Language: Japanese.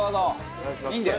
いいんだよ。